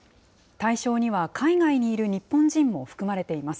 対象には海外にいる日本人も含まれています。